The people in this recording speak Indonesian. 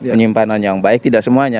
penyimpanan yang baik tidak semuanya